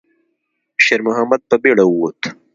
شېرمحمد په بیړه ووت.